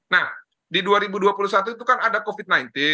nah di dua ribu dua puluh satu itu kan ada covid sembilan belas